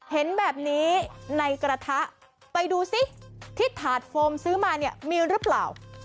เห็นแบบนี้ในกระทะไปดูซิที่ถาดโฟมซื้อมาเนี่ยมีหรือเปล่า